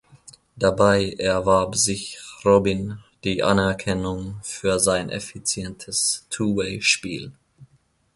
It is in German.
Dabei erwarb sich Robin die Anerkennung für sein effizientes Two-Way Spiel.